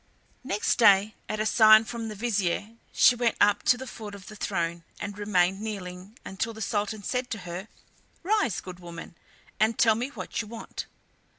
Next day, at a sign from the vizier, she went up to the foot of the throne and remained kneeling until the Sultan said to her: "Rise, good woman, and tell me what you want."